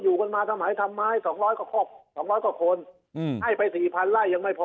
อยู่กันมาทำหายทำไมสองร้อยก็ครบสองร้อยก็คนอืมให้ไปสี่พันไล่ยังไม่พอ